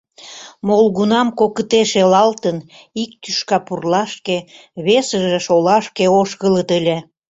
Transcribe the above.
Молгунам, кокыте шелалтын, ик тӱшка пурлашке, весыже шолашке ошкылыт ыле.